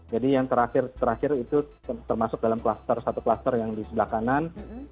jadi yang terakhir terakhir itu termasuk dalam satu kluster yang di sebelah kanan